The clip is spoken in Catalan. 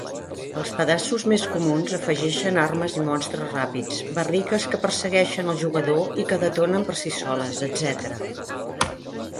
Els pedaços més comuns afegeixen armes i monstres ràpids, barriques que persegueixen el jugador i que detonen per si soles, etc.